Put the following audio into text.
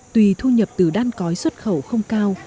tùy thu nhập từ đan cói xuất khẩu không cao